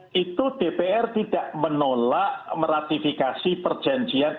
ya jadi begini tahun dua ribu tujuh itu dpr tidak menolak meratifikasi perjanjian ekstradisi indonesia